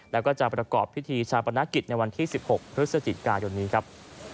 แล้วก็จะประกอบพิธีชาปนกิจในวันที่๑๖พฤศจิกายนนี้ครับ